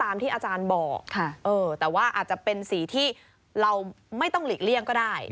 ที่อาจารย์บอกแต่ว่าอาจจะเป็นสีที่เราไม่ต้องหลีกเลี่ยงก็ได้